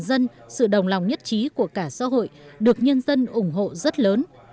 sự cố gắng của toàn dân sự đồng lòng nhất trí của cả xã hội được nhân dân ủng hộ rất lớn